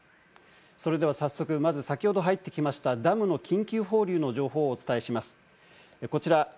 それでは早速まず先ほど入ってきましたダムの緊急放流の情報をお伝えします。